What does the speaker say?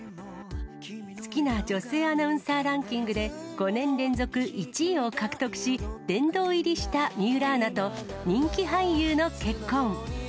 好きな女性アナウンサーランキングで５年連続１位を獲得し、殿堂入りした水卜アナと、人気俳優の結婚。